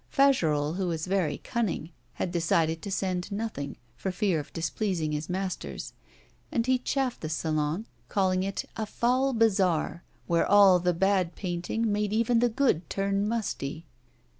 Fagerolles, who was very cunning, had decided to send nothing, for fear of displeasing his masters; and he chaffed the Salon, calling it 'a foul bazaar, where all the bad painting made even the good turn musty.